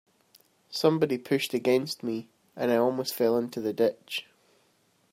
Somebody pushed against me, and I almost fell into the ditch.